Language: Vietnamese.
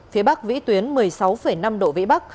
phía bắc vĩ tuyến một mươi sáu năm độ vĩ bắc